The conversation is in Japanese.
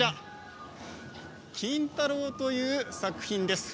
「金太郎」という作品です。